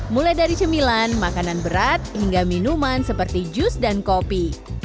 mulai dari cemilan makanan berat hingga minuman seperti jus dan kopi